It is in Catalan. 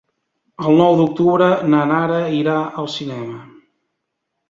El nou d'octubre na Nara irà al cinema.